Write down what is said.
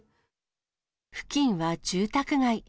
付近は住宅街。